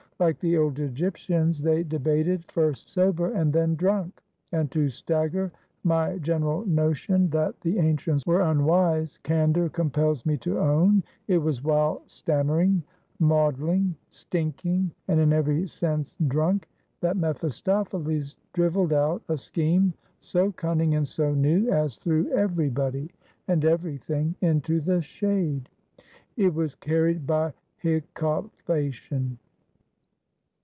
Like the old Egyptians they debated first sober and then drunk, and to stagger my general notion that the ancients were unwise, candor compels me to own, it was while stammering, maudling, stinking and in every sense drunk that mephistopheles driveled out a scheme so cunning and so new as threw everybody and everything into the shade. It was carried by hiccoughation.